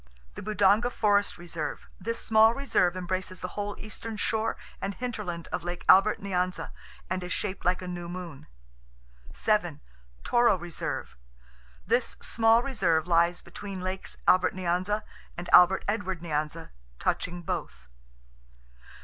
Budonga Forest Reserve.—This small reserve embraces the whole eastern shore and hinterland of Lake Albert Nyanza, and is shaped like a new moon. 7. Toro Reserve.—This small reserve lies between Lakes Albert Nyanza and Albert Edward Nyanza, touching both.